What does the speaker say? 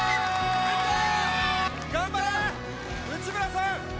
頑張れ、内村さん。